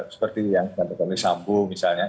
seperti yang pak bantukami sambung misalnya